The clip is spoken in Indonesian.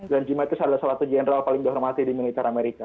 dan jim mattis adalah salah satu general paling dihormati di militer amerika